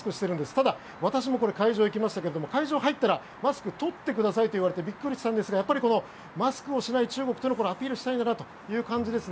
ただ私も会場に行きましたが会場入ったらマスクを取ってくださいと言われてびっくりしたんですがマスクをしない中国というのをアピールしたいんだなという感じですね。